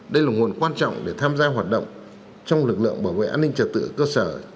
đây là nguồn quan trọng để tham gia hoạt động trong lực lượng bảo vệ an ninh trật tự cơ sở